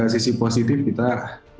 sisi positif kita tidak bisa menghapusnya